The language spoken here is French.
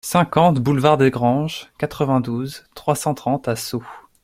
cinquante boulevard Desgranges, quatre-vingt-douze, trois cent trente à Sceaux